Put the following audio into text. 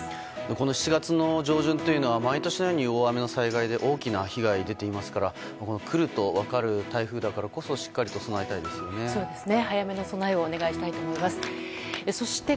この７月の上旬というのは毎年のように大雨の災害で大きな被害が出ていますからくると分かる台風だからこそしっかりと備えたいですよね。